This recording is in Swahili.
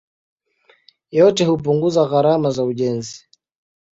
Yote hupunguza gharama za ujenzi.